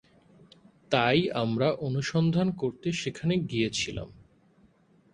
তাই আমরা অনুসন্ধান করতে সেখানে গিয়েছিলাম।